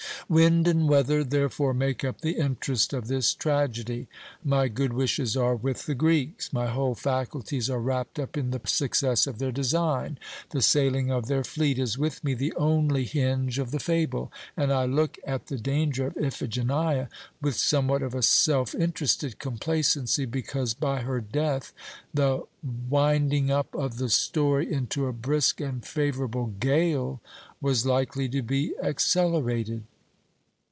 Wind and weather therefore make up the interest of this tragedy. My good wishes are with the Greeks : my whole faculties are wrapped up in the success of their design ; the sailing of their fleet is with me the only hinge of the fable, and I look at the danger of Iphigenia with somewhat of a self interested complacency, because by her death the winding up of the story into a brisk and favourable gale was likely to be accelerated.